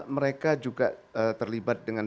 mereka juga terlibat dengan